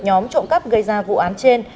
nhóm trộm cắp gây ra vụ án trên